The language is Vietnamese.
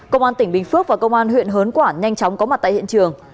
công an tỉnh bình phước và công an huyện hớn quản nhanh chóng có mặt tại hiện trường